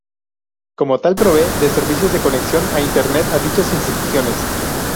Como tal provee de servicios de conexión a Internet a dichas instituciones.